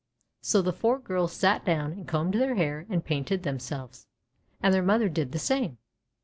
So the four girls sat down and combed their hair and painted themselves, and their mother did the same.